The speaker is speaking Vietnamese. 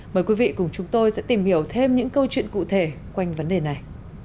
mời quý vị cùng chúng tôi sẽ tìm hiểu thêm những câu chuyện cụ thể quanh vấn đề này